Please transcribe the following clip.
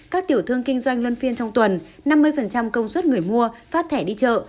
các tiểu thương kinh doanh luân phiên trong tuần năm mươi công suất người mua phát thẻ đi chợ